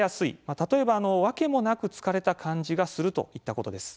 例えば訳もなく疲れた感じがするといったことです。